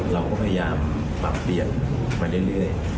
เราก็พยายามปรับเปลี่ยนมาเรื่อย